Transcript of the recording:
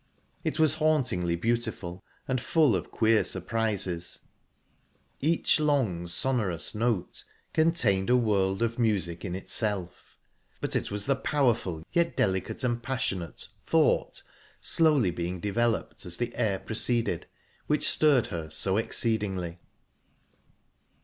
It was hauntingly beautiful, and full of queer surprises; each long, sonorous note contained a world of music in itself, but it was the powerful, yet delicate and passionate thought slowly being developed as the air proceeded which stirred her so exceedingly.